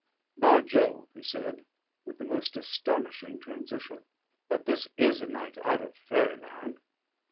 "By Jove!" he said with the most astonishing transition, "but this is a night out of fairyland!